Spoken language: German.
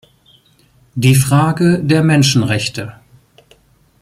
Die Frage der Menschenrechte.